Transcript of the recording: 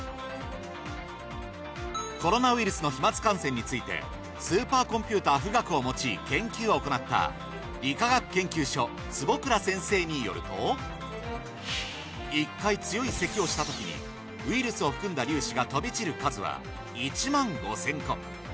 コロナウイルスの飛沫感染についてスーパーコンピュータ富岳を用い研究を行った理化学研究所坪倉先生によると１回強い咳をしたときにウイルスを含んだ粒子が飛び散る数は１５，０００個